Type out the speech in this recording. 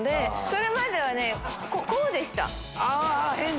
それまではこうでした。